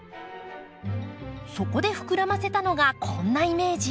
そこで膨らませたのがこんなイメージ。